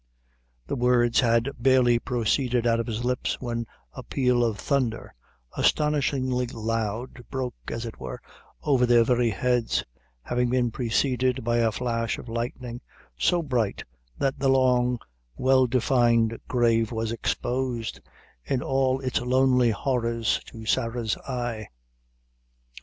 The words had barely proceeded out of his lips, when a peal of thunder, astonishingly loud, broke, as it were, over their very heads, having been preceded by a flash of lightning, so bright, that the long, well defined grave was exposed, in all its lonely horrors, to Sarah's eye.